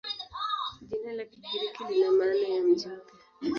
Jina la Kigiriki lina maana ya "mji mpya".